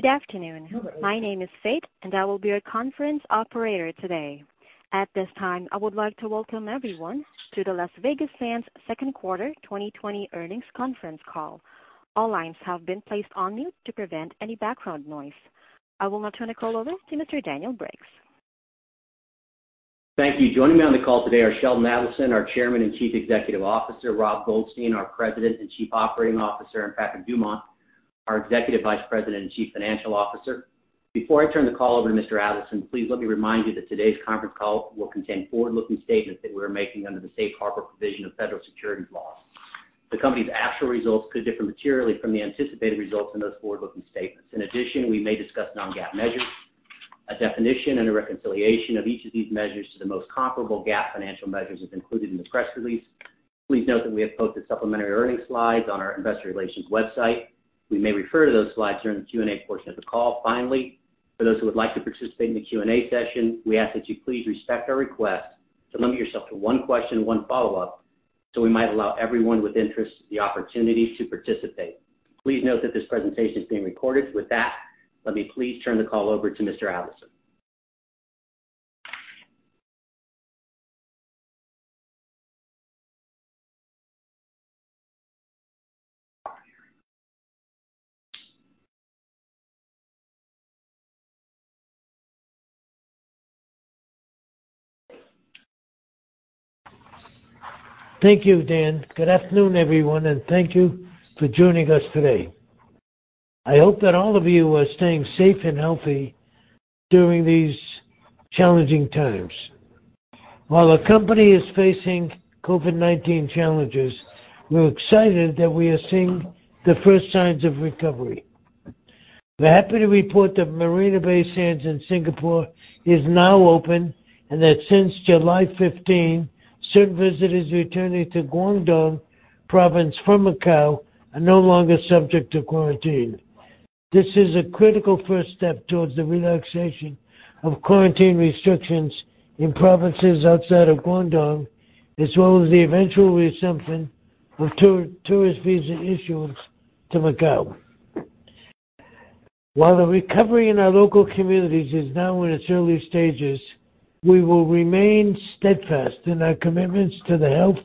Good afternoon. My name is Faith, and I will be your conference operator today. At this time, I would like to welcome everyone to the Las Vegas Sands second quarter 2020 earnings conference call. All lines have been placed on mute to prevent any background noise. I will now turn the call over to Mr. Daniel Briggs. Thank you. Joining me on the call today are Sheldon Adelson, our Chairman and Chief Executive Officer, Rob Goldstein, our President and Chief Operating Officer, and Patrick Dumont, our Executive Vice President and Chief Financial Officer. Before I turn the call over to Mr. Adelson, please let me remind you that today's conference call will contain forward-looking statements that we're making under the safe harbor provision of federal securities laws. The company's actual results could differ materially from the anticipated results in those forward-looking statements. In addition, we may discuss non-GAAP measures. A definition and a reconciliation of each of these measures to the most comparable GAAP financial measures is included in the press release. Please note that we have posted supplementary earnings slides on our investor relations website. We may refer to those slides during the Q&A portion of the call. Finally, for those who would like to participate in the Q&A session, we ask that you please respect our request to limit yourself to one question and one follow-up, so we might allow everyone with interest the opportunity to participate. Please note that this presentation is being recorded. With that, let me please turn the call over to Mr. Adelson. Thank you, Dan. Good afternoon, everyone, and thank you for joining us today. I hope that all of you are staying safe and healthy during these challenging times. While the company is facing COVID-19 challenges, we're excited that we are seeing the first signs of recovery. We're happy to report that Marina Bay Sands in Singapore is now open, and that since July 15, certain visitors returning to Guangdong Province from Macao are no longer subject to quarantine. This is a critical first step towards the relaxation of quarantine restrictions in provinces outside of Guangdong, as well as the eventual resumption of tourist visa issuance to Macao. While the recovery in our local communities is now in its early stages, we will remain steadfast in our commitments to the health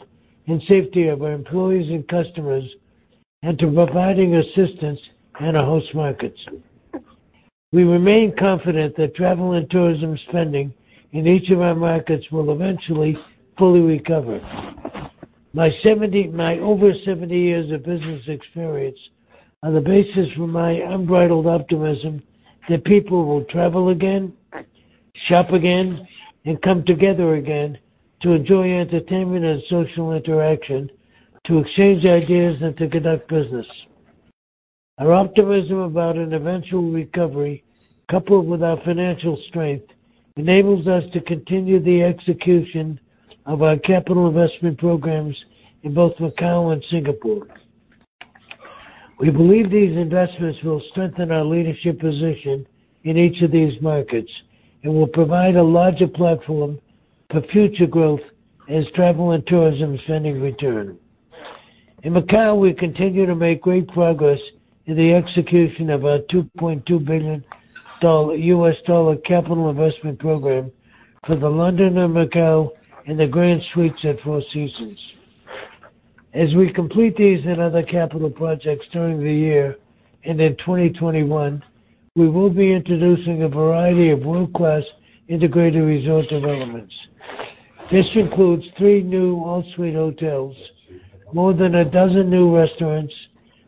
and safety of our employees and customers, and to providing assistance in our host markets. We remain confident that travel and tourism spending in each of our markets will eventually fully recover. My over 70 years of business experience are the basis for my unbridled optimism that people will travel again, shop again, and come together again to enjoy entertainment and social interaction, to exchange ideas, and to conduct business. Our optimism about an eventual recovery, coupled with our financial strength, enables us to continue the execution of our capital investment programs in both Macao and Singapore. We believe these investments will strengthen our leadership position in each of these markets and will provide a larger platform for future growth as travel and tourism spending return. In Macao, we continue to make great progress in the execution of our $2.2 billion US capital investment program for The Londoner Macao and The Grand Suites at Four Seasons. As we complete these and other capital projects during the year and in 2021, we will be introducing a variety of world-class integrated resort developments. This includes three new all-suite hotels, more than a dozen new restaurants,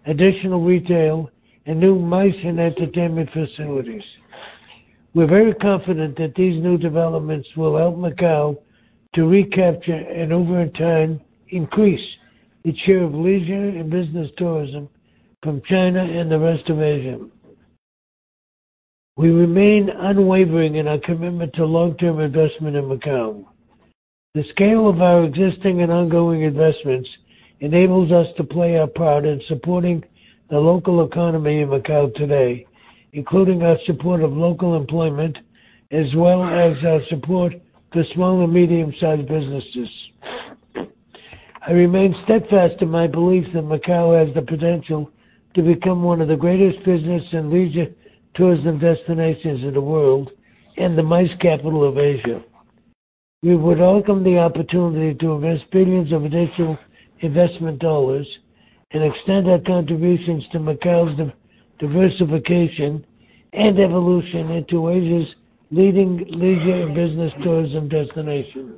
additional retail, and new MICE and entertainment facilities. We're very confident that these new developments will help Macao to recapture and, over in time, increase its share of leisure and business tourism from China and the rest of Asia. We remain unwavering in our commitment to long-term investment in Macao. The scale of our existing and ongoing investments enables us to play our part in supporting the local economy in Macao today, including our support of local employment, as well as our support for small- and medium-sized businesses. I remain steadfast in my belief that Macao has the potential to become one of the greatest business and leisure tourism destinations in the world and the MICE capital of Asia. We would welcome the opportunity to invest billions of additional investment dollars and extend our contributions to Macao's diversification and evolution into Asia's leading leisure and business tourism destination.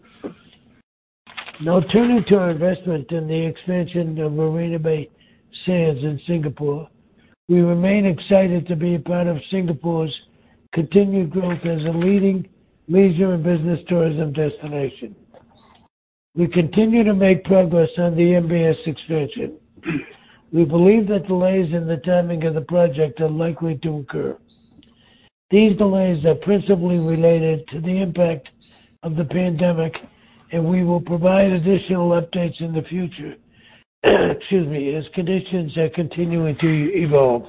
Turning to our investment in the expansion of Marina Bay Sands in Singapore. We remain excited to be a part of Singapore's continued growth as a leading leisure and business tourism destination. We continue to make progress on the MBS expansion. We believe that delays in the timing of the project are likely to occur. These delays are principally related to the impact of the pandemic, and we will provide additional updates in the future, excuse me, as conditions are continuing to evolve.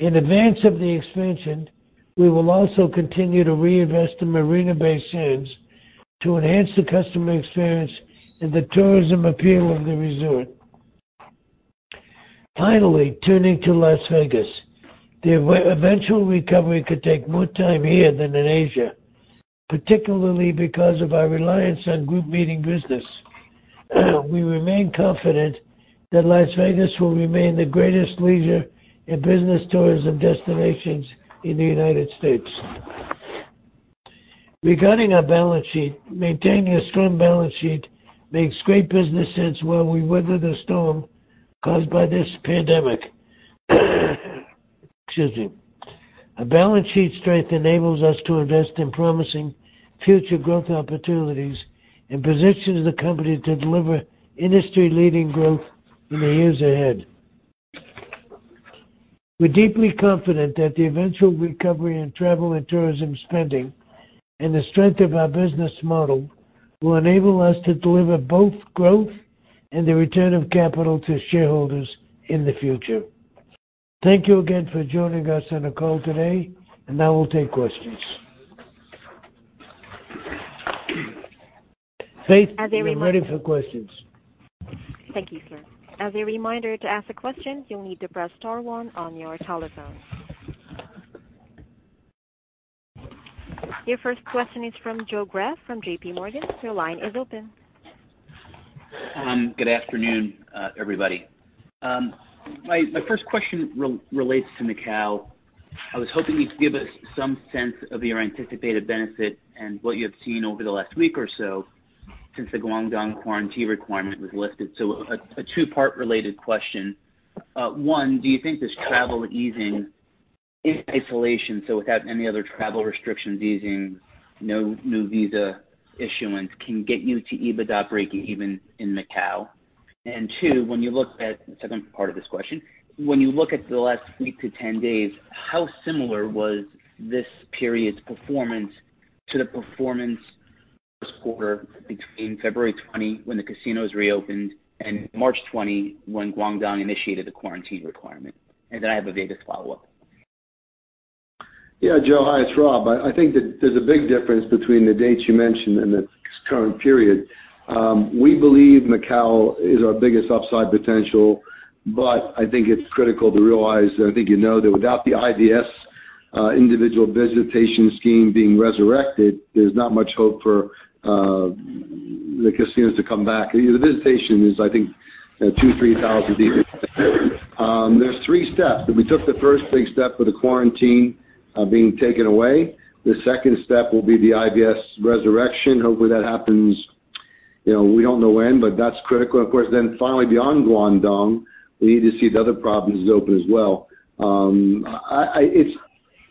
In advance of the expansion, we will also continue to reinvest in Marina Bay Sands to enhance the customer experience and the tourism appeal of the resort. Finally, turning to Las Vegas. The eventual recovery could take more time here than in Asia, particularly because of our reliance on group meeting business. We remain confident that Las Vegas will remain the greatest leisure and business tourism destinations in the United States. Regarding our balance sheet, maintaining a strong balance sheet makes great business sense while we weather the storm caused by this pandemic. Excuse me. A balance sheet strength enables us to invest in promising future growth opportunities and positions the company to deliver industry-leading growth in the years ahead. We're deeply confident that the eventual recovery in travel and tourism spending and the strength of our business model will enable us to deliver both growth and the return of capital to shareholders in the future. Thank you again for joining us on the call today, and now we'll take questions. Faith, we are ready for questions. Thank you, sir. As a reminder, to ask a question, you'll need to press star one on your telephone. Your first question is from Joe Greff from JPMorgan. Your line is open. Good afternoon, everybody. My first question relates to Macau. I was hoping you could give us some sense of your anticipated benefit and what you have seen over the last week or so since the Guangdong quarantine requirement was lifted. A two-part related question. One, do you think this travel easing in isolation, without any other travel restrictions easing, no new visa issuance, can get you to EBITDA breakeven in Macau? Two, the second part of this question, when you look at the last week to 10 days, how similar was this period's performance to the performance last quarter between February 20, when the casinos reopened, and March 20, when Guangdong initiated the quarantine requirement? I have a Vegas follow-up. Yeah, Joe. Hi, it's Rob. I think that there's a big difference between the dates you mentioned and the current period. We believe Macau is our biggest upside potential, but I think it's critical to realize, and I think you know that without the IVS, Individual Visit Scheme, being resurrected, there's not much hope for the casinos to come back. The visitation is, I think, two, 3,000 people. There's three steps. We took the first big step with the quarantine being taken away. The second step will be the IVS resurrection. Hopefully, that happens, we don't know when, but that's critical. Of course, finally, beyond Guangdong, we need to see the other provinces open as well.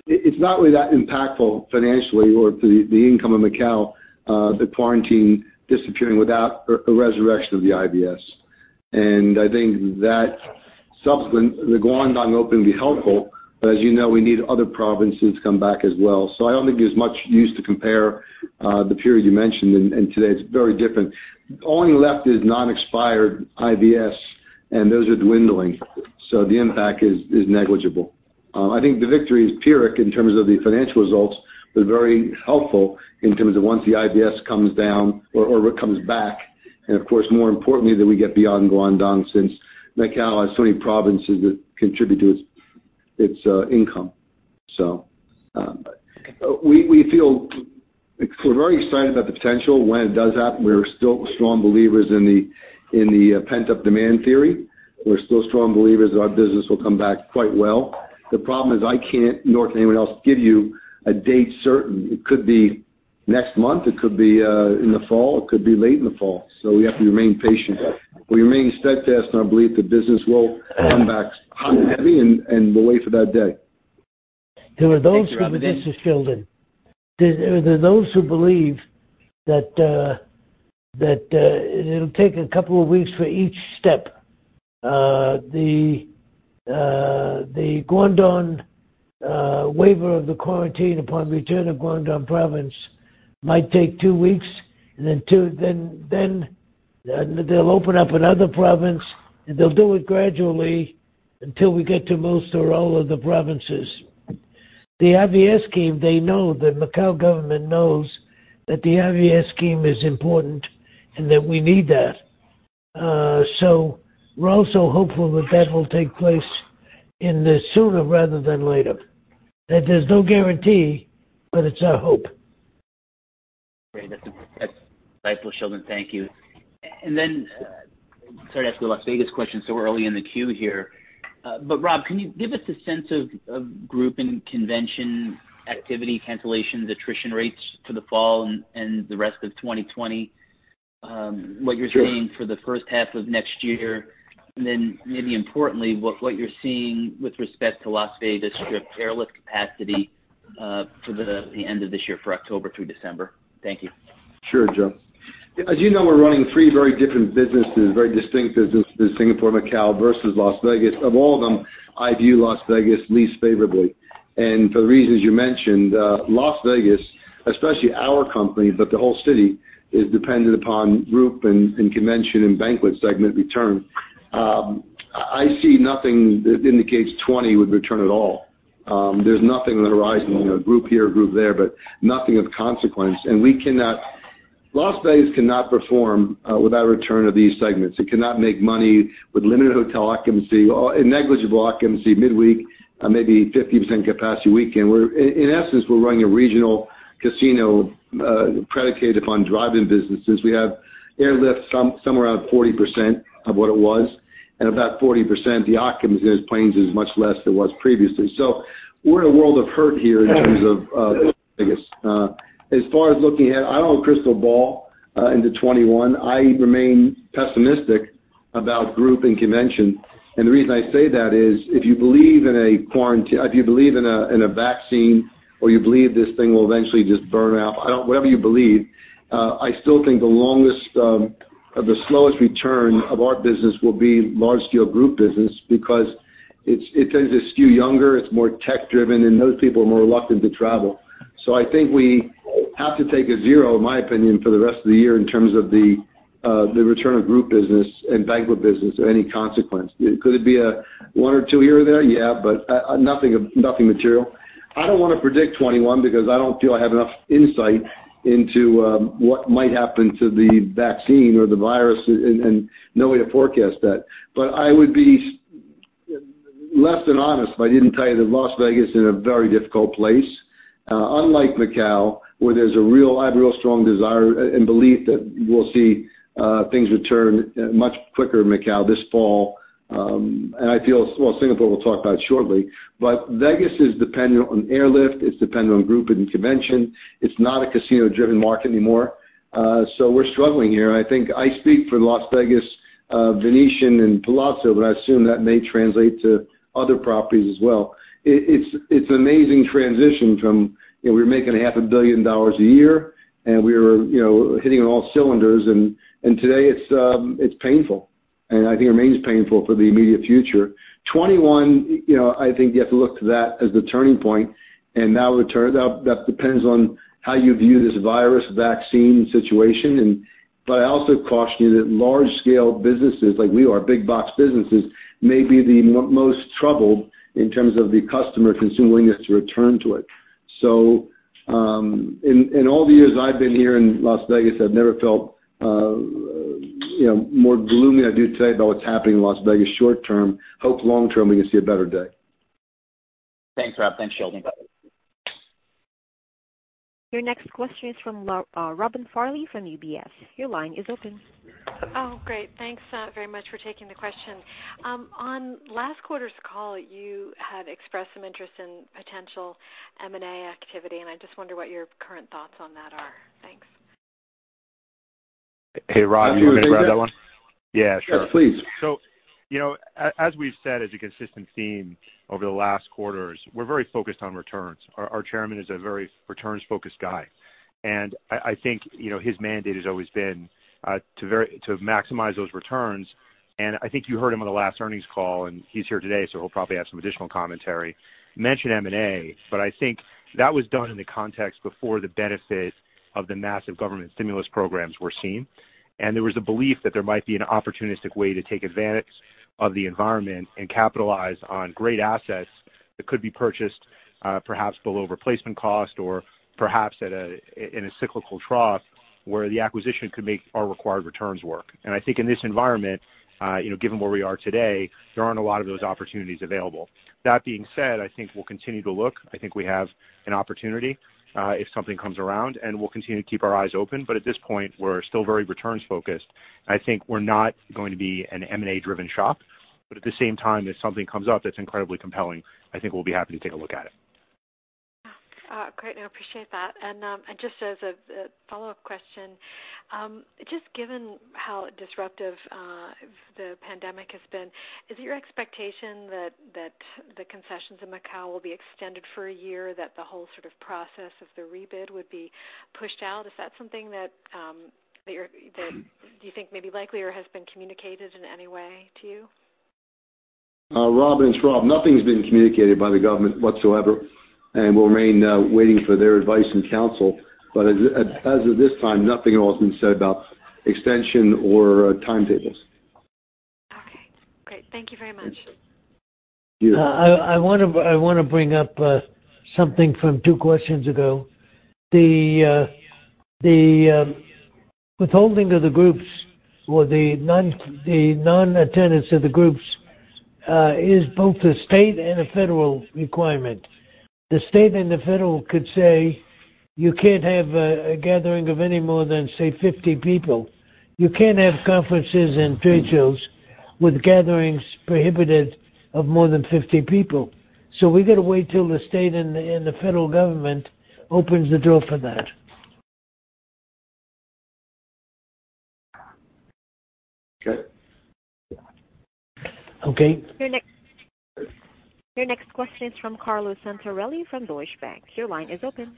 It's not really that impactful financially or to the income of Macau, the quarantine disappearing without a resurrection of the IVS. I think that subsequent, the Guangdong open will be helpful, but as you know, we need other provinces to come back as well. I don't think there's much use to compare the period you mentioned and today. It's very different. Only left is non-expired IVS, and those are dwindling. The impact is negligible. I think the victory is pyrrhic in terms of the financial results, but very helpful in terms of once the IVS comes down or comes back. Of course, more importantly, that we get beyond Guangdong since Macau has so many provinces that contribute to its income. We feel very excited about the potential when it does happen. We're still strong believers in the pent-up demand theory. We're still strong believers that our business will come back quite well. The problem is, I can't, nor can anyone else, give you a date certain. It could be next month, it could be in the fall, it could be late in the fall. We have to remain patient. We remain steadfast in our belief that business will come back hot and heavy, and we'll wait for that day. Thanks, Rob. This is Sheldon. There are those who believe that it'll take a couple of weeks for each step. The Guangdong waiver of the quarantine upon return of Guangdong province might take two weeks. Then they'll open up another province. They'll do it gradually until we get to most or all of the provinces. The IVS scheme, they know that Macau government knows that the IVS scheme is important. We need that. We're also hopeful that that will take place in the sooner rather than later. There's no guarantee. It's our hope. Great. That's insightful, Sheldon. Thank you. Sorry to ask the Las Vegas question so early in the queue here. Rob, can you give us a sense of group and convention activity cancellations, attrition rates for the fall and the rest of 2020? What you're seeing for the first half of next year, maybe importantly, what you're seeing with respect to Las Vegas Strip airlift capacity for the end of this year, for October through December. Thank you. Sure, Joe. As you know, we're running three very different businesses, very distinct businesses, Singapore, Macau versus Las Vegas. Of all of them, I view Las Vegas least favorably. For the reasons you mentioned, Las Vegas, especially our company, but the whole city, is dependent upon group and convention and banquet segment return. I see nothing that indicates 2020 would return at all. There's nothing on the horizon, a group here, a group there, but nothing of consequence. Las Vegas cannot perform without a return of these segments. It cannot make money with limited hotel occupancy or a negligible occupancy midweek, maybe 50% capacity weekend, where in essence, we're running a regional casino predicated upon drive-in businesses. We have airlift somewhere around 40% of what it was and about 40% the occupancy in planes is much less than was previously. We're in a world of hurt here in terms of Vegas. As far as looking ahead, I don't have a crystal ball into 2021. I remain pessimistic about group and convention. The reason I say that is, if you believe in a vaccine, or you believe this thing will eventually just burn out, whatever you believe, I still think the slowest return of our business will be large-scale group business because it tends to skew younger, it's more tech-driven, and those people are more reluctant to travel. I think we have to take a zero, in my opinion, for the rest of the year in terms of the return of group business and banquet business of any consequence. Could it be a one or two here or there? Yeah, but nothing material. I don't want to predict '21 because I don't feel I have enough insight into what might happen to the vaccine or the virus and no way to forecast that. I would be less than honest if I didn't tell you that Las Vegas is in a very difficult place. Unlike Macau, where I have real strong desire and belief that we'll see things return much quicker in Macau this fall. I feel, Singapore we'll talk about shortly, but Vegas is dependent on airlift. It's dependent on group and convention. It's not a casino-driven market anymore. We're struggling here. I think I speak for Las Vegas Venetian and Palazzo, but I assume that may translate to other properties as well. It's an amazing transition from, we were making half a billion dollars a year, and we were hitting on all cylinders, and today it's painful, and I think remains painful for the immediate future. 2021, I think you have to look to that as the turning point. That depends on how you view this virus vaccine situation. I also caution you that large scale businesses, like we are, big box businesses, may be the most troubled in terms of the customer consumer willingness to return to it. In all the years I've been here in Las Vegas, I've never felt more gloomy than I do today about what's happening in Las Vegas short term. Hope long term we can see a better day. Thanks, Rob. Thanks, Sheldon. Your next question is from Robin Farley from UBS. Your line is open. Oh, great. Thanks very much for taking the question. On last quarter's call, you had expressed some interest in potential M&A activity, and I just wonder what your current thoughts on that are. Thanks. Hey, Rob, do you want to grab that one? Yes, please. As we've said, as a consistent theme over the last quarters, we're very focused on returns. Our Chairman is a very returns-focused guy, and I think his mandate has always been to maximize those returns, and I think you heard him on the last earnings call, and he's here today, so he'll probably have some additional commentary. Mention M&A, I think that was done in the context before the benefit of the massive government stimulus programs were seen. There was a belief that there might be an opportunistic way to take advantage of the environment and capitalize on great assets that could be purchased perhaps below replacement cost or perhaps in a cyclical trough where the acquisition could make our required returns work. I think in this environment, given where we are today, there aren't a lot of those opportunities available. That being said, I think we'll continue to look. I think we have an opportunity if something comes around, and we'll continue to keep our eyes open. At this point, we're still very returns focused. I think we're not going to be an M&A driven shop. At the same time, if something comes up that's incredibly compelling, I think we'll be happy to take a look at it. Great. No, appreciate that. Just as a follow-up question, just given how disruptive the pandemic has been, is it your expectation that the concessions in Macau will be extended for a year, that the whole sort of process of the rebid would be pushed out? Is that something that you think may be likely or has been communicated in any way to you? Robin, it's Rob. Nothing's been communicated by the government whatsoever. We'll remain waiting for their advice and counsel. As of this time, nothing at all has been said about extension or timetables. Okay, great. Thank you very much. Yeah. I want to bring up something from two questions ago. The withholding of the groups or the non-attendance of the groups is both a state and a federal requirement. The state and the federal could say you can't have a gathering of any more than, say, 50 people. You can't have conferences and trade shows with gatherings prohibited of more than 50 people. We got to wait till the state and the federal government opens the door for that. Okay. Okay. Your next question is from Carlo Santarelli from Deutsche Bank. Your line is open.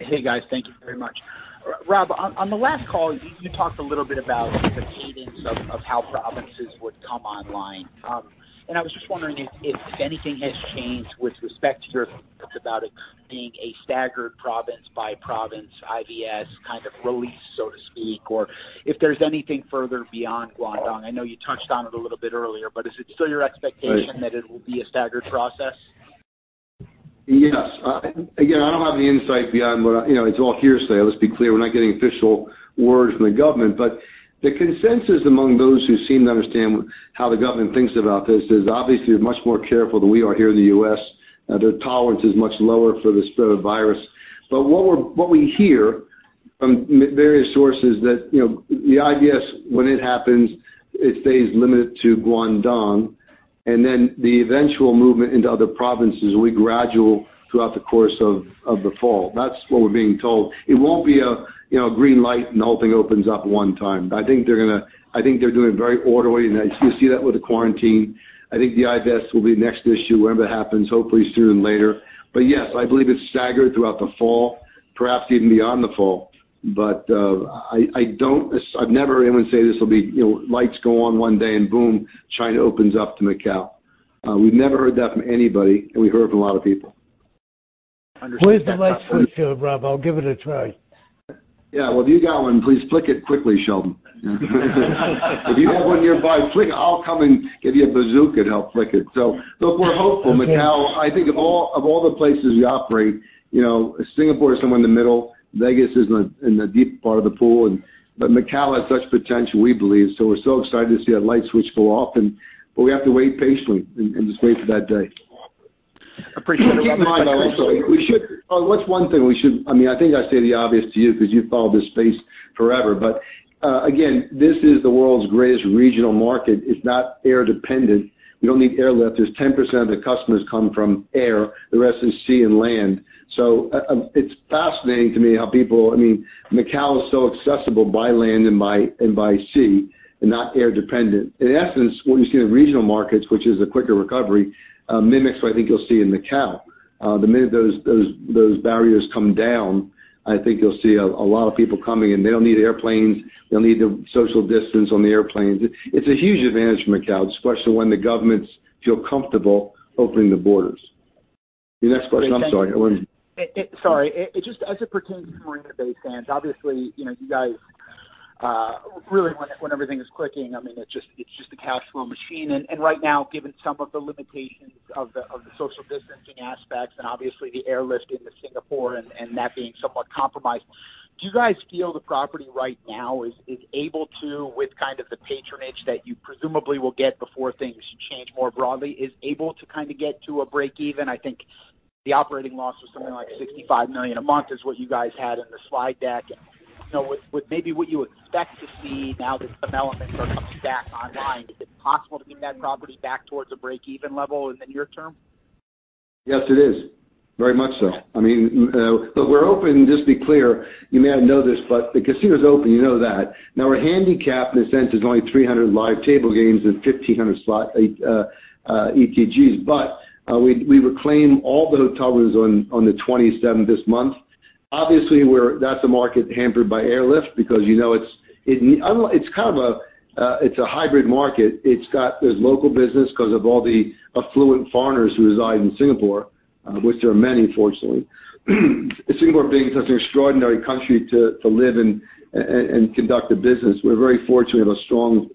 Hey, guys. Thank you very much. Rob, on the last call, you talked a little bit about the cadence of how provinces would come online. I was just wondering if anything has changed with respect to about it being a staggered province-by-province IVS kind of release, so to speak, or if there's anything further beyond Guangdong. I know you touched on it a little bit earlier, is it still your expectation? Right that it will be a staggered process? Yes. Again, I don't have any insight beyond what. It's all hearsay. Let's be clear, we're not getting official word from the government. The consensus among those who seem to understand how the government thinks about this is obviously they're much more careful than we are here in the U.S. Their tolerance is much lower for the spread of virus. What we hear from various sources that the IVS, when it happens, it stays limited to Guangdong, and then the eventual movement into other provinces will be gradual throughout the course of the fall. That's what we're being told. It won't be a green light and the whole thing opens up one time. I think they're doing it very orderly, and you see that with the quarantine. I think the IVS will be the next issue, whenever it happens, hopefully sooner than later. Yes, I believe it's staggered throughout the fall, perhaps even beyond the fall. I've never heard anyone say this will be lights go on one day and boom, China opens up to Macau. We've never heard that from anybody, and we heard from a lot of people. Understood. Where's the light switch here, Rob? I'll give it a try. Yeah. Well, if you got one, please flick it quickly, Sheldon. If you have one nearby, flick it. I'll come and give you a bazooka to help flick it. Look, we're hopeful. Macau, I think of all the places we operate, Singapore is somewhere in the middle. Vegas is in the deep part of the pool, but Macau has such potential, we believe, so we're so excited to see that light switch go off, but we have to wait patiently and just wait for that day. Appreciate it, Rob. Keep in mind, though, also, I think I say the obvious to you because you've followed this space forever. Again, this is the world's greatest regional market. It's not air dependent. We don't need airlift. There's 10% of the customers come from air. The rest is sea and land. It's fascinating to me how people Macao is so accessible by land and by sea and not air dependent. In essence, what you see in regional markets, which is a quicker recovery, mimics what I think you'll see in Macao. The minute those barriers come down, I think you'll see a lot of people coming, and they don't need airplanes. They'll need the social distance on the airplanes. It's a huge advantage for Macao, especially when the governments feel comfortable opening the borders. Your next question. I'm sorry, go ahead. Sorry. As it pertains to Marina Bay Sands, obviously, you guys, really when everything is clicking, it's just a cash flow machine. Right now, given some of the limitations of the social distancing aspects and obviously the airlift into Singapore and that being somewhat compromised, do you guys feel the property right now is able to, with kind of the patronage that you presumably will get before things change more broadly, is able to kind of get to a break even? I think the operating loss was something like $65 million a month is what you guys had in the slide deck. Maybe what you expect to see now that some elements are coming back online? Is it possible to get that property back towards a break-even level in the near term? Yes, it is. Very much so. We're open, just be clear, you may not know this, but the casino's open, you know that. We're handicapped in the sense there's only 300 live table games and 1,500 slot ETGs. We reclaim all the hotel rooms on the 27th this month. Obviously, that's a market hampered by airlift because it's a hybrid market. There's local business because of all the affluent foreigners who reside in Singapore, which there are many, fortunately. Singapore being such an extraordinary country to live in and conduct a business. We're very fortunate of a strong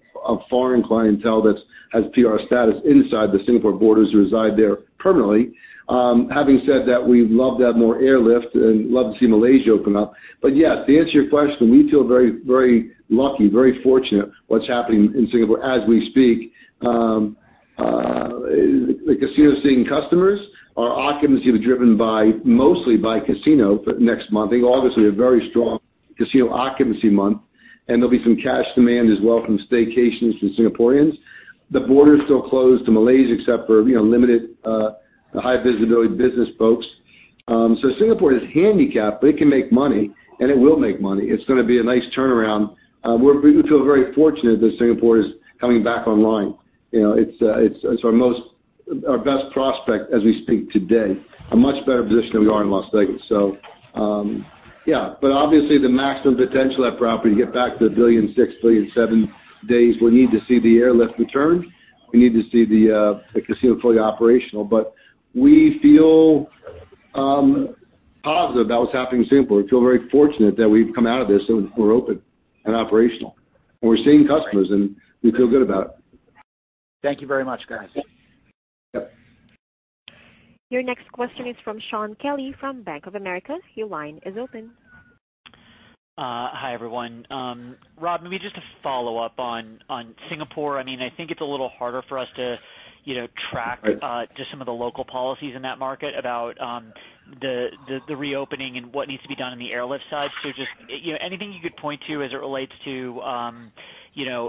foreign clientele that has PR status inside the Singapore borders, reside there permanently. Having said that, we'd love to have more airlift and love to see Malaysia open up. Yes, to answer your question, we feel very lucky, very fortunate what's happening in Singapore as we speak. The casino is seeing customers. Our occupancy was driven mostly by casino next month. August will be a very strong casino occupancy month, and there'll be some cash demand as well from staycations from Singaporeans. The border is still closed to Malaysia except for limited, high visibility business folks. Singapore is handicapped, but it can make money, and it will make money. It's going to be a nice turnaround. We feel very fortunate that Singapore is coming back online. It's our best prospect as we speak today. A much better position than we are in Las Vegas. Yeah. Obviously, the maximum potential of that property to get back to the $1.6 billion, $1.7 billion days will need to see the airlift return. We need to see the casino fully operational. We feel positive about what's happening in Singapore. We feel very fortunate that we've come out of this, and we're open and operational, and we're seeing customers, and we feel good about it. Thank you very much, guys. Yep. Your next question is from Shaun Kelley from Bank of America. Your line is open. Hi, everyone. Rob, maybe just to follow up on Singapore. I think it's a little harder for us to track. Right just some of the local policies in that market about the reopening and what needs to be done on the airlift side. Just anything you could point to as it relates to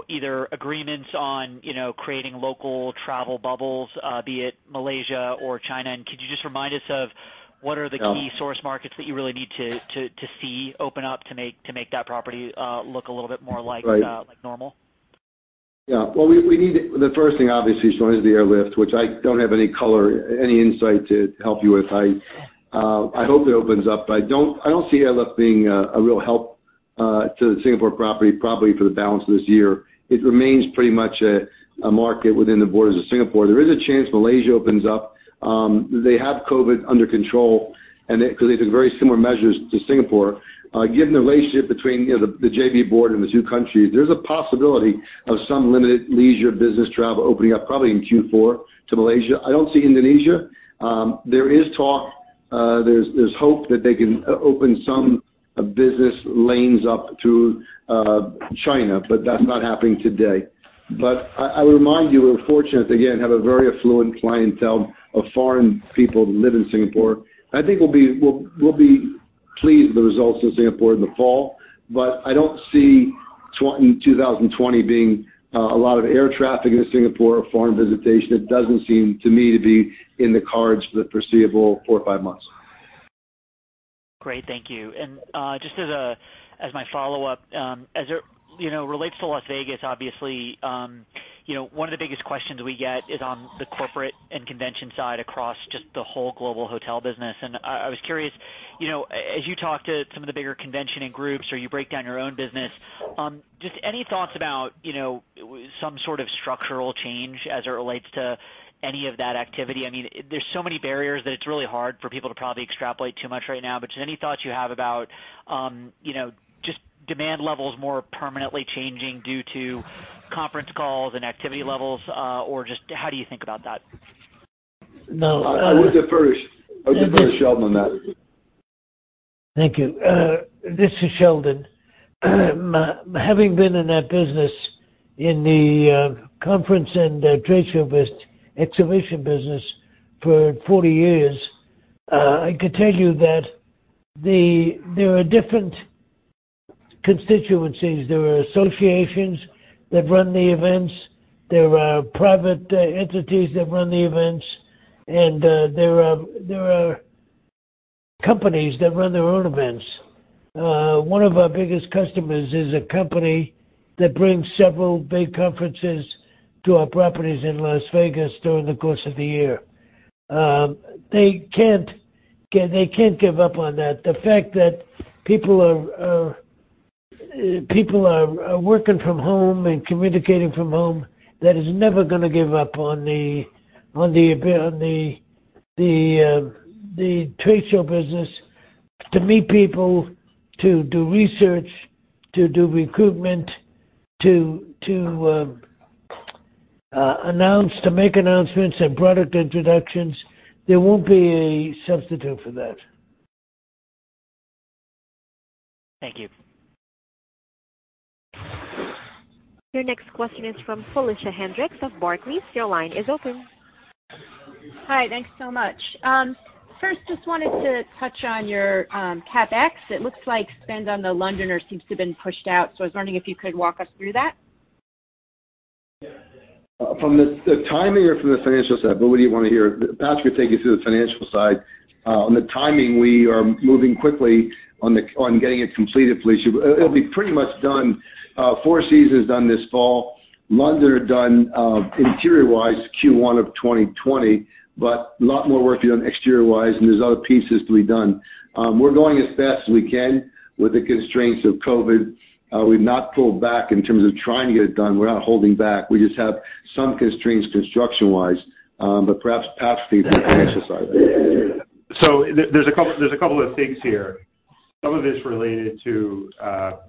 either agreements on creating local travel bubbles, be it Malaysia or China. Could you just remind us of what are the key source markets that you really need to see open up to make that property look a little bit more like normal? The first thing, obviously, Shaun, is the airlift, which I don't have any color, any insight to help you with. I hope it opens up. I don't see airlift being a real help to the Singapore property probably for the balance of this year. It remains pretty much a market within the borders of Singapore. There is a chance Malaysia opens up. They have COVID under control because they've taken very similar measures to Singapore. Given the relationship between the JB border and the two countries, there's a possibility of some limited leisure business travel opening up probably in Q4 to Malaysia. I don't see Indonesia. There is talk, there's hope that they can open some business lanes up to China, that's not happening today. I remind you, we're fortunate, again, to have a very affluent clientele of foreign people who live in Singapore. I think we'll be pleased with the results in Singapore in the fall. I don't see 2020 being a lot of air traffic into Singapore or foreign visitation. It doesn't seem, to me, to be in the cards for the foreseeable four to five months. Great, thank you. Just as my follow-up, as it relates to Las Vegas, obviously, one of the biggest questions we get is on the corporate and convention side across just the whole global hotel business. I was curious, as you talk to some of the bigger conventioning groups or you break down your own business, just any thoughts about some sort of structural change as it relates to any of that activity? There's so many barriers that it's really hard for people to probably extrapolate too much right now. Just any thoughts you have about just demand levels more permanently changing due to conference calls and activity levels, or just how do you think about that? No. I would defer to Sheldon on that. Thank you. This is Sheldon. Having been in that business in the conference and trade show exhibition business for 40 years, I could tell you that there are different constituencies. There are associations that run the events, there are private entities that run the events, and there are companies that run their own events. One of our biggest customers is a company that brings several big conferences to our properties in Las Vegas during the course of the year. They can't give up on that. The fact that people are working from home and communicating from home, that is never going to give up on the trade show business. To meet people, to do research, to do recruitment, to make announcements and product introductions, there won't be a substitute for that. Thank you. Your next question is from Felicia Hendrix of Barclays. Your line is open. Hi, thanks so much. First, just wanted to touch on your CapEx. It looks like spend on The Londoner seems to have been pushed out, so I was wondering if you could walk us through that. From the timing or from the financial side? What do you want to hear? Patrick will take you through the financial side. On the timing, we are moving quickly on getting it completed, Felicia. It'll be pretty much done. Four Seasons done this fall, Londoner done interior-wise Q1 of 2020, but a lot more work to be done exterior-wise, and there's other pieces to be done. We're going as fast as we can with the constraints of COVID. We've not pulled back in terms of trying to get it done. We're not holding back. We just have some constraints construction-wise. Perhaps Patrick can take the financial side. There's a couple of things here. Some of it's related to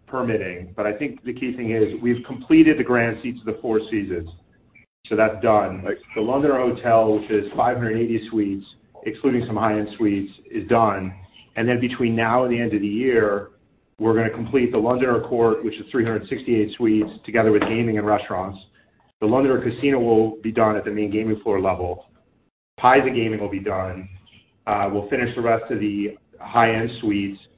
permitting, I think the key thing is we've completed The Grand Suites at Four Seasons. That's done. The Londoner Hotel, which is 580 suites, excluding some high-end suites, is done. Between now and the end of the year, we're going to complete Londoner Court, which is 368 suites, together with gaming and restaurants. The Londoner Casino will be done at the main gaming floor level. High limit gaming will be done. We'll finish the rest of the high-end suites for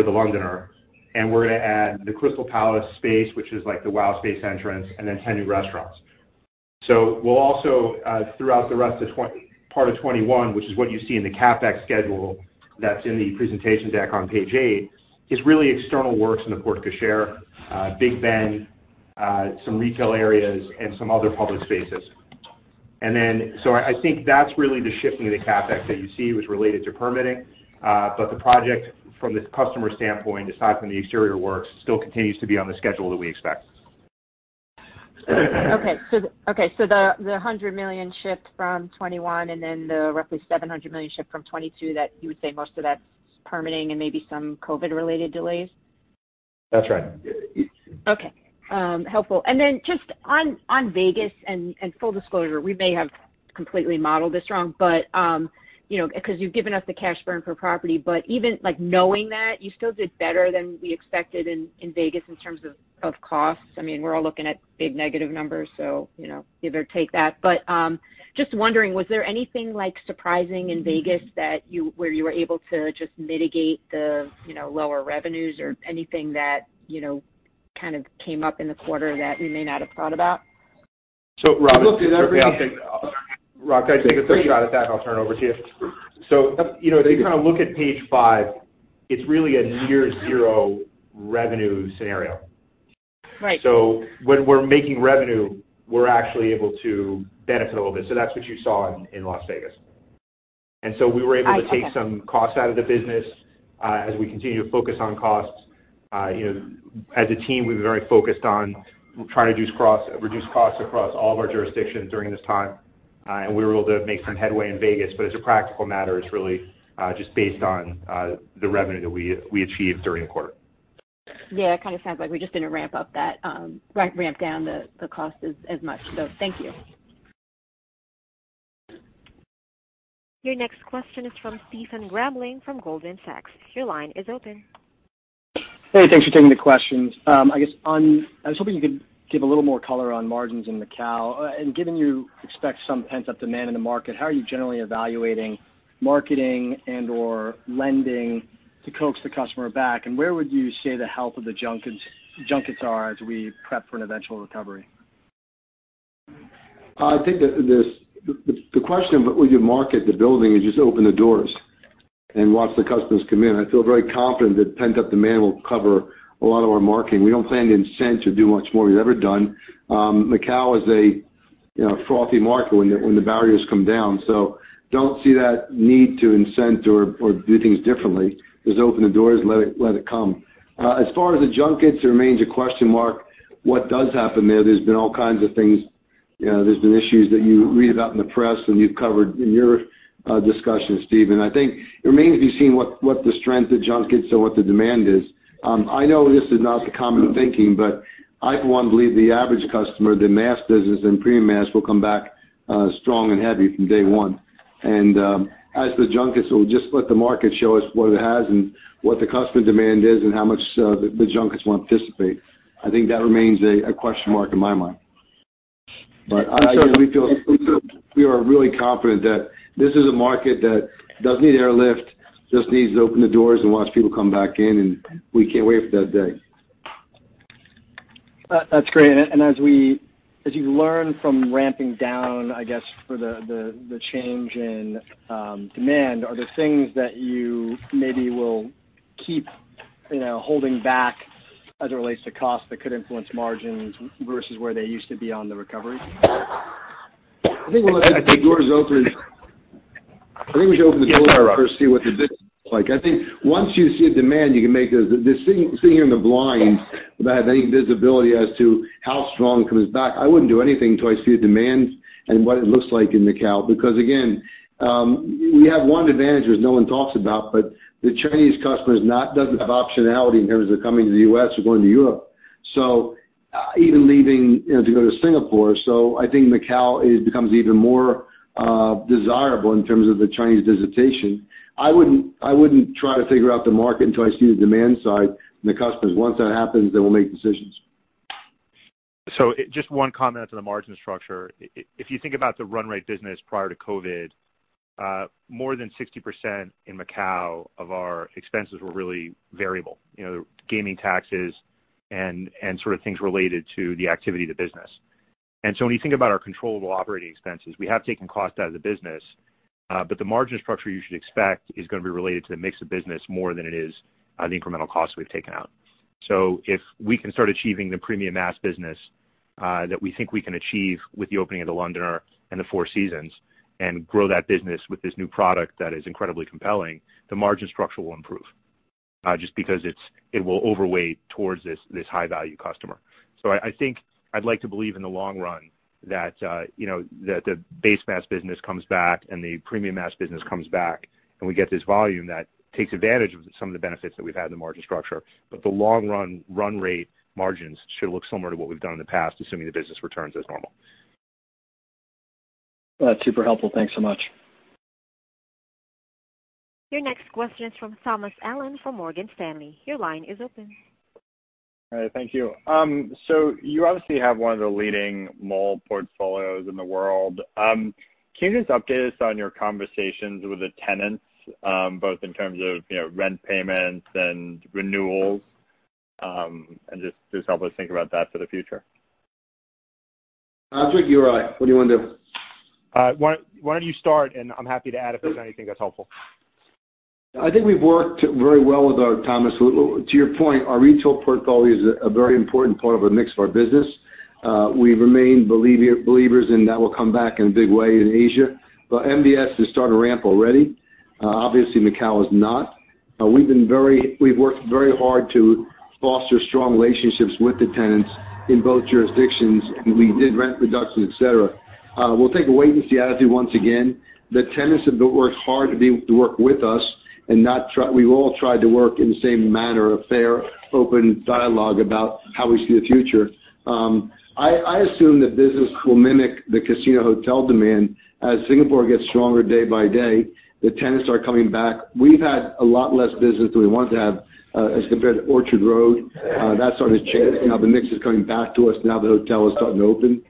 The Londoner, we're going to add the Crystal Palace space, which is like the wow space entrance, 10 new restaurants. We'll also, throughout the rest of part of 2021, which is what you see in the CapEx schedule that's in the presentation deck on page eight, is really external works in the porte cochere, Big Ben, some retail areas, and some other public spaces. I think that's really the shifting of the CapEx that you see was related to permitting. The project from the customer standpoint, aside from the exterior works, still continues to be on the schedule that we expect. Okay. The $100 million shift from 2021 and then the roughly $700 million shift from 2022, you would say most of that's permitting and maybe some COVID-related delays? That's right. Okay. Helpful. Just on Vegas, full disclosure, we may have completely modeled this wrong, because you've given us the cash burn per property, but even knowing that, you still did better than we expected in Vegas in terms of costs. We're all looking at big negative numbers, give or take that. Just wondering, was there anything surprising in Vegas where you were able to just mitigate the lower revenues or anything that kind of came up in the quarter that you may not have thought about? Robert, can I take a shot at that and I'll turn it over to you? If you kind of look at page five, it's really a near zero revenue scenario. Right. When we're making revenue, we're actually able to benefit a little bit. That's what you saw in Las Vegas. We were able to take some costs out of the business as we continue to focus on costs. As a team, we've been very focused on trying to reduce costs across all of our jurisdictions during this time, and we were able to make some headway in Vegas. As a practical matter, it's really just based on the revenue that we achieved during the quarter. Yeah. It kind of sounds like we're just going to ramp down the cost as much. Thank you. Your next question is from Stephen Grambling from Goldman Sachs. Your line is open. Hey, thanks for taking the questions. I was hoping you could give a little more color on margins in Macau. Given you expect some pent-up demand in the market, how are you generally evaluating marketing and/or lending to coax the customer back? Where would you say the health of the junkets are as we prep for an eventual recovery? I think that the question, would you market the building, is just open the doors and watch the customers come in. I feel very confident that pent-up demand will cover a lot of our marketing. We don't plan to incent or do much more than we've ever done. Macao is a frothy market when the barriers come down. Don't see that need to incent or do things differently, just open the doors, let it come. As far as the junkets, it remains a question mark what does happen there. There's been all kinds of things. There's been issues that you read about in the press and you've covered in your discussions, Steve. I think it remains to be seen what the strength of junkets or what the demand is. I know this is not the common thinking, but I, for one, believe the average customer, the mass business and premium mass, will come back strong and heavy from day one. As for the junkets, we'll just let the market show us what it has and what the customer demand is and how much the junkets want to participate. I think that remains a question mark in my mind. We are really confident that this is a market that doesn't need airlift, just needs to open the doors and watch people come back in, and we can't wait for that day. That's great. As you learn from ramping down, I guess, for the change in demand, are there things that you maybe will keep holding back as it relates to cost that could influence margins versus where they used to be on the recovery? I think once you open the doors. Yes. I think we should open the door first, see what the business looks like. I think once you see a demand, you can make those. Sitting here in the blind without any visibility as to how strong it comes back, I wouldn't do anything until I see the demands and what it looks like in Macau. Again, we have one advantage, which no one talks about, but the Chinese customer doesn't have optionality in terms of coming to the U.S. or going to Europe, even leaving to go to Singapore. I think Macau becomes even more desirable in terms of the Chinese visitation. I wouldn't try to figure out the market until I see the demand side and the customers. Once that happens, we'll make decisions. Just one comment to the margin structure. If you think about the run rate business prior to COVID, more than 60% in Macau of our expenses were really variable. Gaming taxes and sort of things related to the activity of the business. When you think about our controllable operating expenses, we have taken cost out of the business. The margin structure you should expect is going to be related to the mix of business more than it is the incremental costs we've taken out. If we can start achieving the premium mass business, that we think we can achieve with the opening of The Londoner and The Four Seasons, and grow that business with this new product that is incredibly compelling, the margin structure will improve, just because it will overweight towards this high-value customer. I think I'd like to believe in the long run that the base mass business comes back and the premium mass business comes back, and we get this volume that takes advantage of some of the benefits that we've had in the margin structure. The long run rate margins should look similar to what we've done in the past, assuming the business returns as normal. That's super helpful. Thanks so much. Your next question is from Thomas Allen from Morgan Stanley. Your line is open. All right. Thank you. You obviously have one of the leading mall portfolios in the world. Can you just update us on your conversations with the tenants, both in terms of rent payments and renewals, and just help us think about that for the future? I'll take you or I. What do you want to do? Why don't you start, and I'm happy to add if there's anything that's helpful. I think we've worked very well with our tenants. To your point, our retail portfolio is a very important part of the mix of our business. We remain believers in that will come back in a big way in Asia. MBS has started ramp already. Obviously Macau has not. We've worked very hard to foster strong relationships with the tenants in both jurisdictions, and we did rent reductions, et cetera. We'll take a wait and see attitude once again. The tenants have worked hard to work with us, and we've all tried to work in the same manner of fair, open dialogue about how we see the future. I assume the business will mimic the casino hotel demand. As Singapore gets stronger day by day, the tenants are coming back. We've had a lot less business than we wanted to have as compared to Orchard Road. That's sort of changed. The mix is coming back to us now the hotel is starting to open.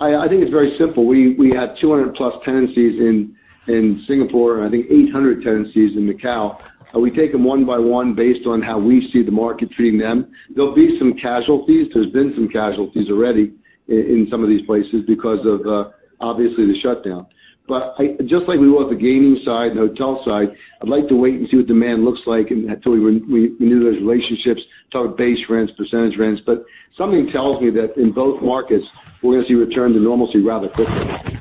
I think it's very simple. We had 200 plus tenancies in Singapore and I think 800 tenancies in Macao. We take them one by one based on how we see the market treating them. There'll be some casualties. There's been some casualties already in some of these places because of, obviously, the shutdown. Just like we will at the gaming side and hotel side, I'd like to wait and see what demand looks like until we renew those relationships, talk base rents, percentage rents. Something tells me that in both markets, we're going to see return to normalcy rather quickly.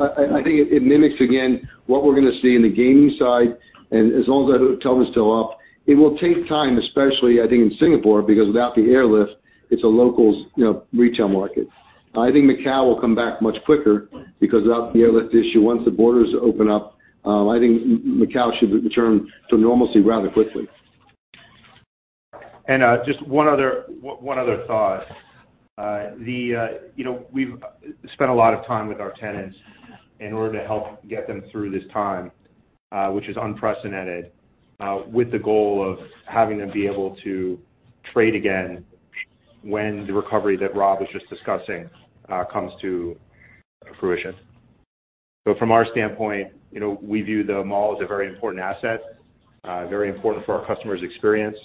I think it mimics again, what we're going to see in the gaming side, and as long as that hotel is still up. It will take time, especially, I think, in Singapore, because without the airlift, it's a locals retail market. I think Macau will come back much quicker because without the airlift issue, once the borders open up, I think Macau should return to normalcy rather quickly. Just one other thought. We've spent a lot of time with our tenants in order to help get them through this time, which is unprecedented, with the goal of having them be able to trade again when the recovery that Rob was just discussing comes to fruition. From our standpoint, we view the mall as a very important asset, very important for our customers' experience.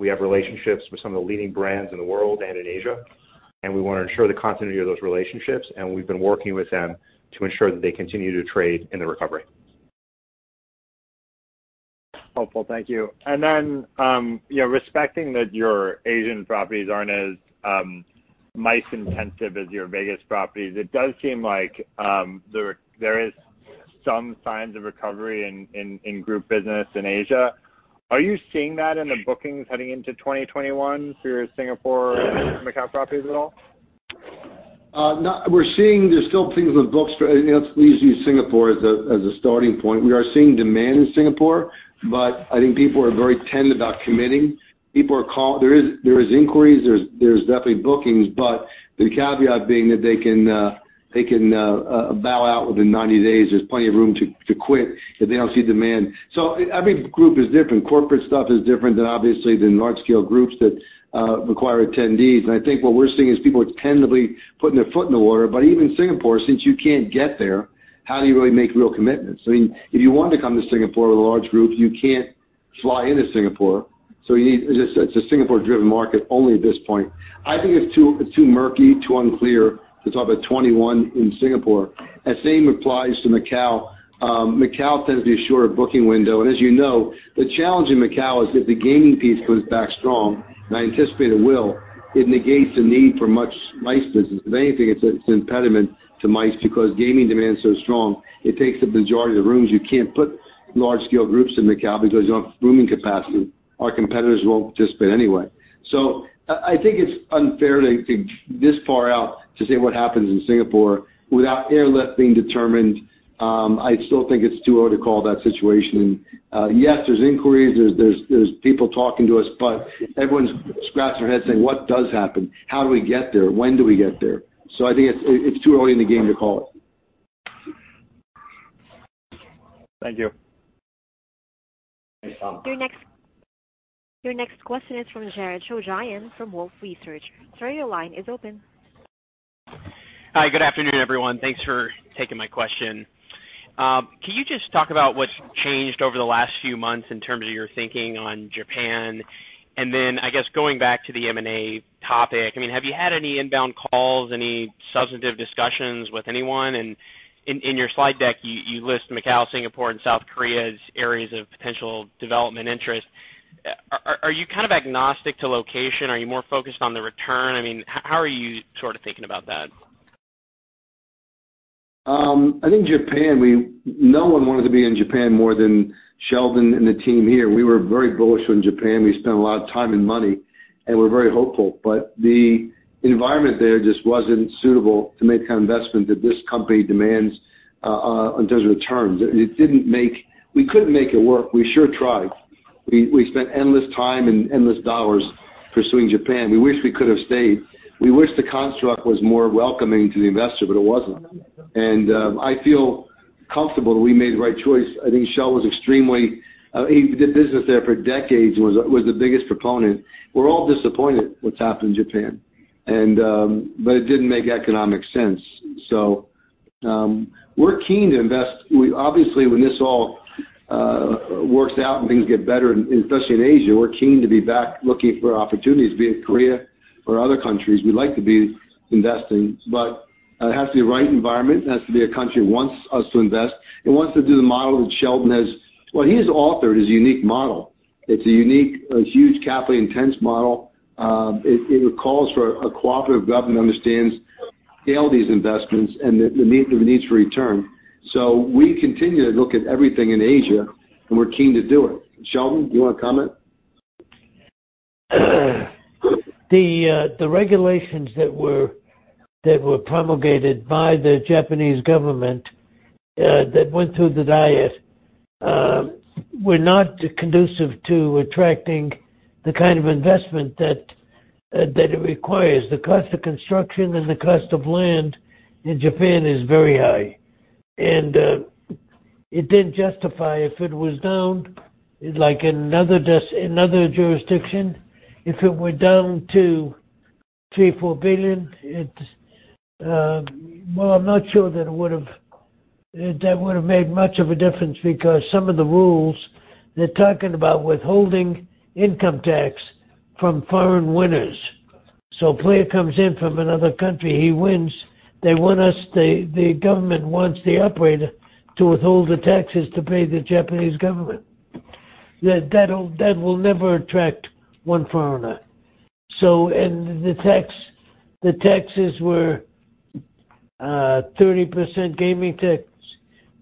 We have relationships with some of the leading brands in the world and in Asia, and we want to ensure the continuity of those relationships, and we've been working with them to ensure that they continue to trade in the recovery. Helpful. Thank you. Respecting that your Asian properties aren't as MICE intensive as your Vegas properties, it does seem like there is some signs of recovery in group business in Asia. Are you seeing that in the bookings heading into 2021 for your Singapore and Macau properties at all? We're seeing there's still things with books. It's easy to use Singapore as a starting point. We are seeing demand in Singapore, I think people are very tense about committing. There is inquiries, there's definitely bookings, the caveat being that they can bow out within 90 days. There's plenty of room to quit if they don't see demand. Every group is different. Corporate stuff is different than obviously the large-scale groups that require attendees. I think what we're seeing is people tentatively putting their foot in the water. Even Singapore, since you can't get there, how do you really make real commitments? If you want to come to Singapore with a large group, you can't fly into Singapore. It's a Singapore-driven market only at this point. I think it's too murky, too unclear to talk about 2021 in Singapore. That same applies to Macau. Macau tends to be a shorter booking window. As you know, the challenge in Macau is if the gaming piece comes back strong, and I anticipate it will, it negates the need for much MICE business. If anything, it's an impediment to MICE because gaming demand is so strong, it takes the majority of the rooms. You can't put large-scale groups in Macau because you don't have rooming capacity. Our competitors won't participate anyway. I think it's unfair this far out to say what happens in Singapore without airlift being determined. I still think it's too early to call that situation. Yes, there's inquiries, there's people talking to us, but everyone's scratching their head saying, "What does happen? How do we get there? When do we get there?" I think it's too early in the game to call it. Thank you. Thanks, Tom. Your next question is from Jared Shojaian from Wolfe Research. Sir, your line is open. Hi. Good afternoon, everyone. Thanks for taking my question. Can you just talk about what's changed over the last few months in terms of your thinking on Japan? I guess going back to the M&A topic, have you had any inbound calls, any substantive discussions with anyone? In your slide deck, you list Macau, Singapore, and South Korea as areas of potential development interest. Are you kind of agnostic to location? Are you more focused on the return? How are you sort of thinking about that? I think Japan, no one wanted to be in Japan more than Sheldon and the team here. We were very bullish on Japan. We spent a lot of time and money, and we're very hopeful. The environment there just wasn't suitable to make the kind of investment that this company demands in terms of returns. We couldn't make it work. We sure tried. We spent endless time and endless dollars pursuing Japan. We wish we could have stayed. We wish the construct was more welcoming to the investor, but it wasn't. I feel comfortable that we made the right choice. I think Shel did business there for decades and was the biggest proponent. We're all disappointed what's happened in Japan, but it didn't make economic sense. We're keen to invest. Obviously, when this all works out and things get better, especially in Asia, we're keen to be back looking for opportunities, be it Korea or other countries. We'd like to be investing, but it has to be the right environment. It has to be a country who wants us to invest and wants to do the model that Sheldon has. Well, he's authored his unique model. It's a huge, capital-intense model. It calls for a cooperative government that understands all these investments and the needs for return. We continue to look at everything in Asia, and we're keen to do it. Sheldon, do you want to comment? The regulations that were promulgated by the Japanese government that went through the Diet were not conducive to attracting the kind of investment that it requires. The cost of construction and the cost of land in Japan is very high. It didn't justify if it was down, like another jurisdiction. If it were down to $3 billion, $4 billion, well, I'm not sure that would've made much of a difference because some of the rules, they're talking about withholding income tax from foreign winners. A player comes in from another country, he wins. The government wants the operator to withhold the taxes to pay the Japanese government. That will never attract one foreigner. The taxes were 30% gaming tax,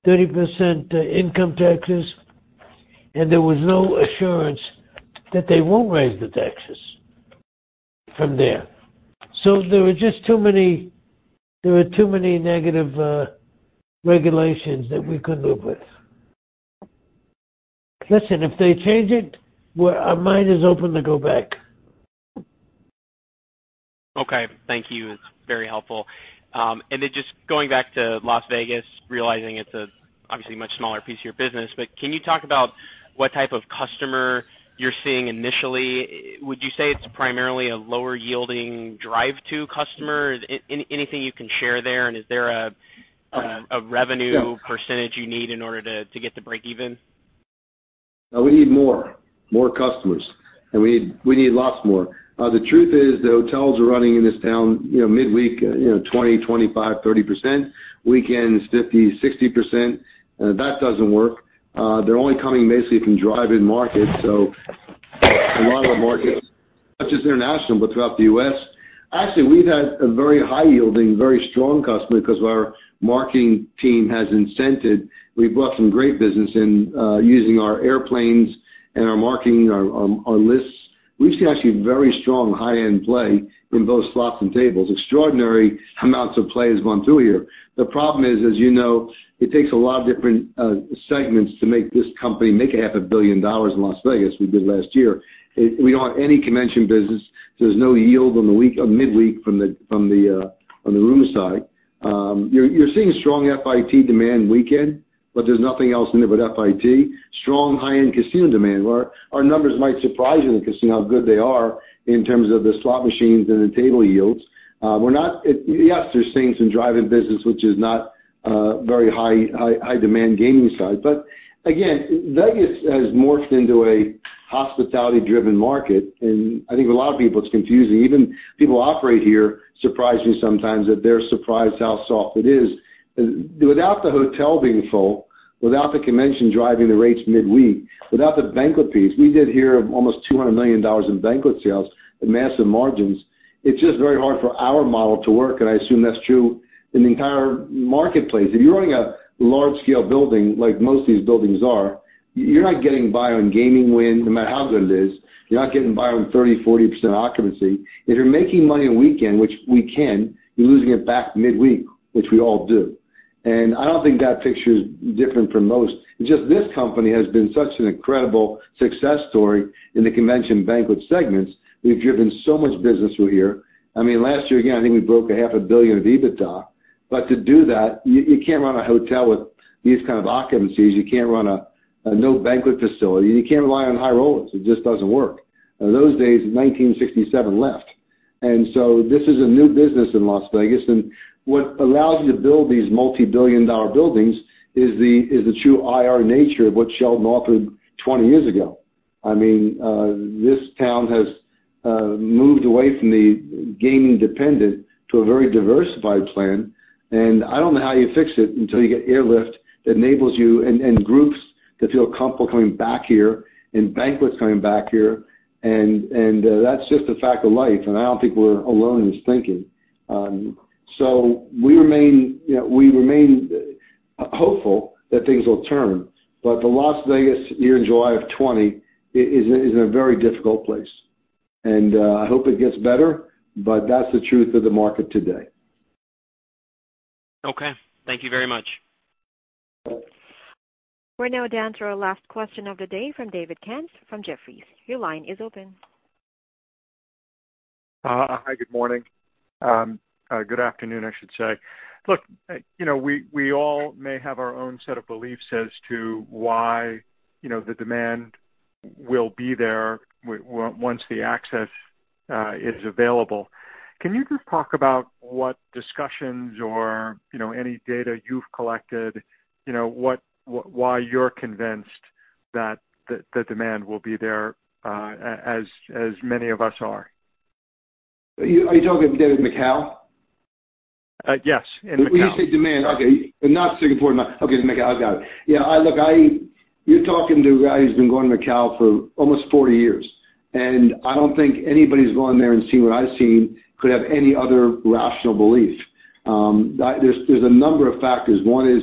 30% income taxes, and there was no assurance that they won't raise the taxes from there. There were just too many negative regulations that we couldn't live with. Listen, if they change it, our mind is open to go back. Okay. Thank you. It's very helpful. Just going back to Las Vegas, realizing it's a obviously much smaller piece of your business, but can you talk about what type of customer you're seeing initially? Would you say it's primarily a lower yielding drive to customer? Anything you can share there, and is there a revenue % you need in order to get to breakeven? No, we need more. More customers. We need lots more. The truth is, the hotels are running in this town midweek 20%, 25%, 30%, weekends 50%, 60%. That doesn't work. They're only coming basically from drive-in markets. A lot of our markets, not just international, but throughout the U.S. Actually, we've had a very high yielding, very strong customer because our marketing team has incented. We've brought some great business in using our airplanes and our marketing, our lists. We've seen actually very strong high-end play in both slots and tables. Extraordinary amounts of play has gone through here. The problem is, as you know, it takes a lot of different segments to make this company make a half a billion dollars in Las Vegas. We did last year. We don't have any convention business. There's no yield on the midweek on the room side. You're seeing strong FIT demand weekend, but there's nothing else in there but FIT. Strong high-end casino demand, where our numbers might surprise you to see how good they are in terms of the slot machines and the table yields. Yes, there's things in drive-in business which is not very high demand gaming side. Again, Vegas has morphed into a hospitality driven market, and I think a lot of people, it's confusing. Even people operate here surprise me sometimes that they're surprised how soft it is. Without the hotel being full, without the convention driving the rates midweek, without the banquet piece, we did here almost $200 million in banquet sales and massive margins. It's just very hard for our model to work, and I assume that's true in the entire marketplace. If you're running a large scale building, like most of these buildings are, you're not getting by on gaming win, no matter how good it is. You're not getting by on 30%, 40% occupancy. If you're making money on weekend, which we can, you're losing it back midweek, which we all do. I don't think that picture is different from most. It's just this company has been such an incredible success story in the convention banquet segments. We've driven so much business through here. Last year, again, I think we broke a half a billion of EBITDA. To do that, you can't run a hotel with these kind of occupancies. You can't run a no banquet facility. You can't rely on high rollers. It just doesn't work. Those days, 1967 left. This is a new business in Las Vegas. What allows you to build these multi-billion dollar buildings is the true IR nature of what Sheldon offered 20 years ago. This town has moved away from the gaming dependent to a very diversified plan, I don't know how you fix it until you get airlift that enables you and groups to feel comfortable coming back here and banquets coming back here. That's just a fact of life, I don't think we're alone in this thinking. We remain hopeful that things will turn. The Las Vegas year in July of 2020 is in a very difficult place, I hope it gets better, but that's the truth of the market today. Okay. Thank you very much. We're now down to our last question of the day from David Katz from Jefferies. Your line is open. Hi, good morning. Good afternoon, I should say. We all may have our own set of beliefs as to why the demand will be there once the access is available. Can you just talk about what discussions or any data you've collected, why you're convinced that the demand will be there, as many of us are? Are you talking David Macao? Yes, in Macao. When you say demand. Okay. Not Singapore. Okay, Macao, I got it. Yeah, look, you're talking to a guy who's been going to Macao for almost 40 years. I don't think anybody's gone there and seen what I've seen could have any other rational belief. There's a number of factors. One is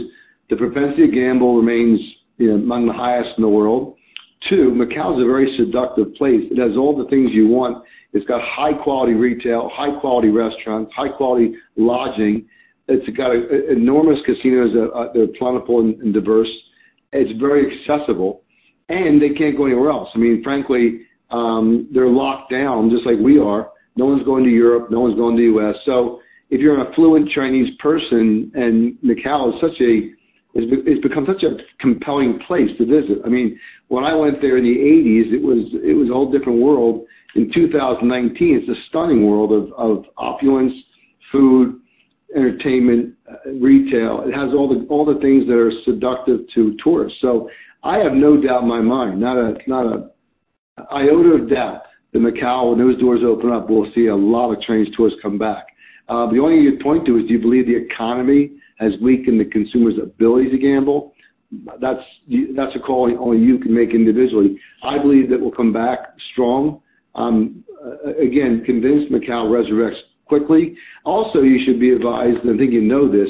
the propensity to gamble remains among the highest in the world. Two, Macao is a very seductive place. It has all the things you want. It's got high quality retail, high quality restaurants, high quality lodging. It's got enormous casinos. They're plentiful and diverse. It's very accessible. They can't go anywhere else. Frankly, they're locked down just like we are. No one's going to Europe. No one's going to the U.S. If you're an affluent Chinese person, it's become such a compelling place to visit. When I went there in the 1980s, it was a whole different world. In 2019, it's a stunning world of opulence, food, entertainment, retail. It has all the things that are seductive to tourists. I have no doubt in my mind that Macau, when those doors open up, we'll see a lot of Chinese tourists come back. The only thing you'd point to is, do you believe the economy has weakened the consumer's ability to gamble? That's a call only you can make individually. I believe that we'll come back strong. Again, convinced Macau resurrects quickly. Also, you should be advised, and I think you know this,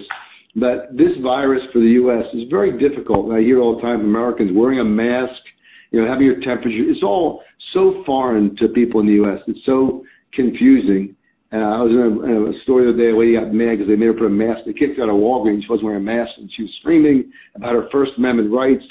that this virus for the U.S. is very difficult. I hear it all the time, Americans wearing a mask, having your temperature, it's all so foreign to people in the U.S. It's so confusing. I was reading a story the other day, a lady got mad because they made her put a mask. They kicked her out of Walgreens. She wasn't wearing a mask, and she was screaming about her First Amendment rights.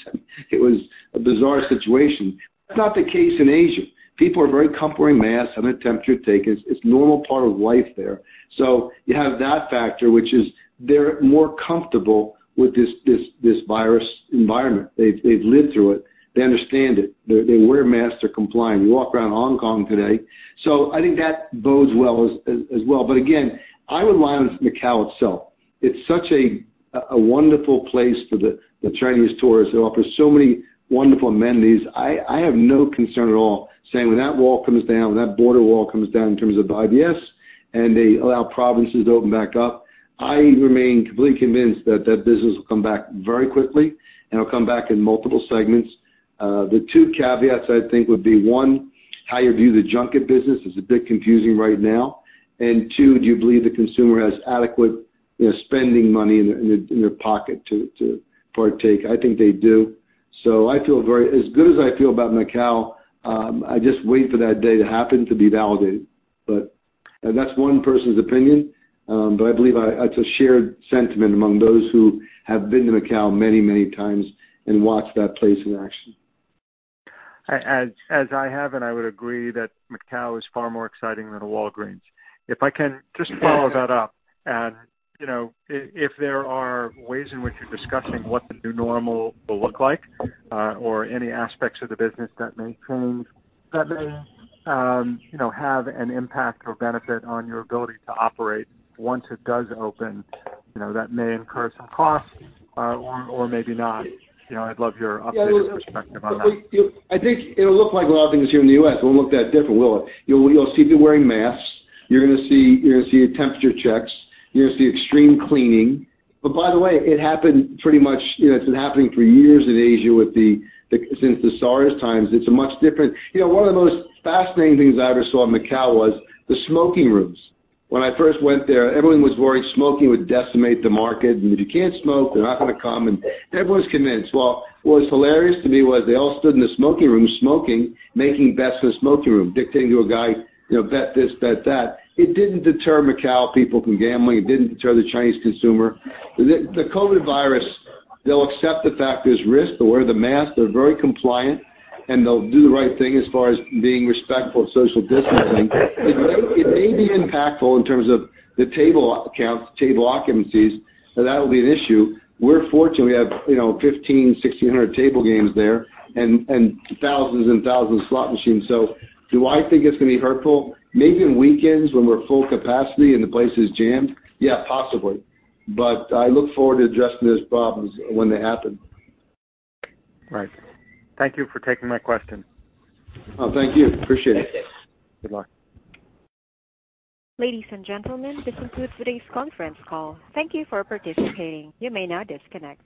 It was a bizarre situation. That's not the case in Asia. People are very comfortable wearing masks, having their temperature taken. It's a normal part of life there. You have that factor, which is they're more comfortable with this virus environment. They've lived through it. They understand it. They wear masks. They're compliant. You walk around Hong Kong today. I think that bodes well as well. Again, I would rely on Macau itself. It's such a wonderful place for the Chinese tourists. It offers so many wonderful amenities. I have no concern at all saying when that wall comes down, when that border wall comes down in terms of the IVS, and they allow provinces to open back up, I remain completely convinced that that business will come back very quickly, and it'll come back in multiple segments. The two caveats, I think, would be, one, how you view the junket business is a bit confusing right now. Two, do you believe the consumer has adequate spending money in their pocket to partake? I think they do. As good as I feel about Macau, I just wait for that day to happen to be validated. That's one person's opinion, but I believe it's a shared sentiment among those who have been to Macau many, many times and watched that place in action. As I have, I would agree that Macau is far more exciting than a Walgreens. If I can just follow that up. If there are ways in which you're discussing what the new normal will look like, or any aspects of the business that may change, that may have an impact or benefit on your ability to operate once it does open, that may incur some costs, or maybe not. I'd love your updated perspective on that. I think it'll look like a lot of things here in the U.S. It won't look that different, will it? You'll see people wearing masks. You're going to see your temperature checks. You're going to see extreme cleaning. By the way, it's been happening for years in Asia since the SARS times. It's much different. One of the most fascinating things I ever saw in Macau was the smoking rooms. When I first went there, everyone was worried smoking would decimate the market, and if you can't smoke, they're not going to come, and everyone's convinced. Well, what was hilarious to me was they all stood in the smoking room smoking, making bets in the smoking room, dictating to a guy, "Bet this, bet that." It didn't deter Macau people from gambling. It didn't deter the Chinese consumer. The COVID virus, they'll accept the fact there's risk. They'll wear the mask. They're very compliant. They'll do the right thing as far as being respectful of social distancing. It may be impactful in terms of the table counts, table occupancies. That'll be an issue. We're fortunate we have 1,500, 1,600 table games there and thousands and thousands of slot machines. Do I think it's going to be hurtful? Maybe on weekends when we're full capacity and the place is jammed, yeah, possibly. I look forward to addressing those problems when they happen. Right. Thank you for taking my question. Oh, thank you. Appreciate it. Good luck. Ladies and gentlemen, this concludes today's conference call. Thank you for participating. You may now disconnect.